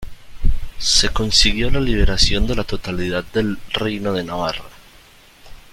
Se consiguió la liberación de la totalidad del Reino de Navarra.